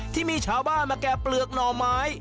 ที่มีชาวบ้านมาแก่เปลือกหน่อไม้